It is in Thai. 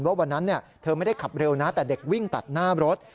วันนั้นเธอไม่ได้ขับเร็วนะแต่เด็กวิ่งตัดหน้ารถ